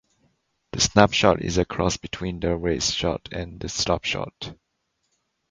The snap shot is a cross between the wrist shot and the slap shot.